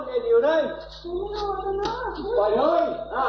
มีลูกอาถรรม